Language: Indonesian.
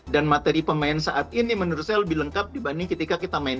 dan materi pemain saat ini menurut saya lebih lengkap dibanding kita yang lain